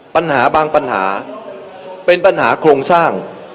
ปัญหาบางปัญหาเป็นปัญหาโครงสร้าง